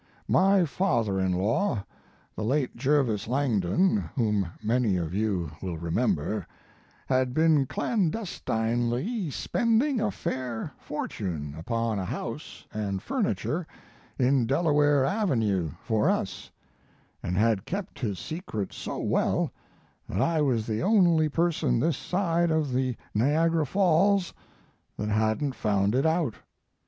My father in law, the late Jervis L,angdon, whom many of you will remember, had been clandestinely spending a fair fortune upon a house and furniture in Delaware Avenue for us, and had kept his secret so well, that I was the only person this side of the Niagara Falls, that hadn t found it out.